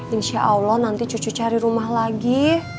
insya allah nanti cucu cari rumah lagi